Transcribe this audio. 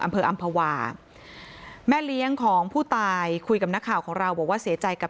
อำเภออำภาวาแม่เลี้ยงของผู้ตายคุยกับนักข่าวของเราบอกว่าเสียใจกับ